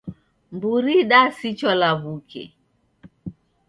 Mburi idasichwa lawuke.